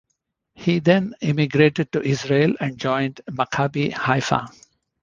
He then immigrated to Israel and joined Maccabi Haifa.